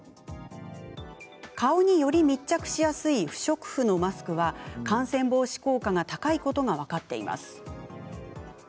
顔により密着しやすい不織布のマスクは感染防止効果が高いことが分かっています。